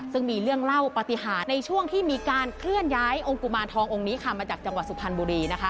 ซึ่งมีเรื่องเล่าปฏิหารในช่วงที่มีการเคลื่อนย้ายองค์กุมารทององค์นี้ค่ะมาจากจังหวัดสุพรรณบุรี